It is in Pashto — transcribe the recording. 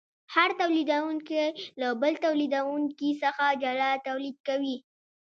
هر تولیدونکی له بل تولیدونکي څخه جلا تولید کوي